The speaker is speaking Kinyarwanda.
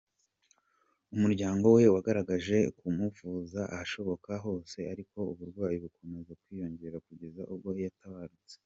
Umuryango we wageregeje kumuvuza ahashoboka hose ariko uburwayi bukomeza kwiyongera kugeza ubwo yatabarutse.